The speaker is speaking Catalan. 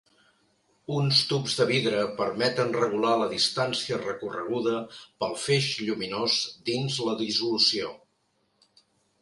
Uns tubs de vidre permeten regular la distància recorreguda pel feix lluminós dins la dissolució.